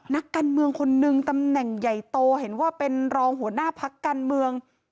นักการเมืองคนนึงตำแหน่งใหญ่โตเห็นว่าเป็นรองหัวหน้าพักการเมือง